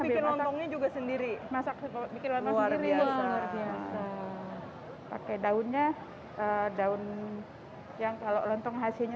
sama bikin l banking juga sendiri mas kennedy pakai daunnya daun yang kalau lontong hasilnya